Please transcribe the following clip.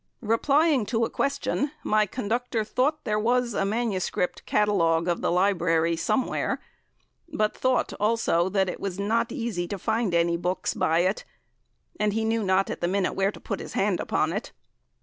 Replying to a question, my conductor thought there was a manuscript catalogue of the Library somewhere, but thought, also, that it was not easy to find any books by it, and he knew not at the minute where to put his hand upon it.